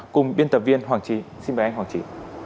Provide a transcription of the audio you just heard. cùng biên tập viên hoàng trí xin mời anh hoàng chị